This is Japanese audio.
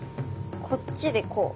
こっちでこう。